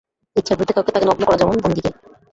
ইচ্ছার বিরুদ্ধে কাউকে তাকে নগ্ন করা যেমন- বন্দীকে।